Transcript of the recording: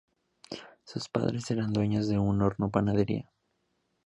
Sus padres eran dueños de un horno panadería.